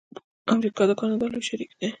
امریکا د کاناډا لوی شریک دی.